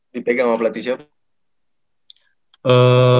dipegang sama pelatih siapa